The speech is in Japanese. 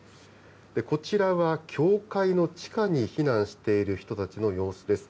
こちらは教会の地下に避難している人たちの様子です。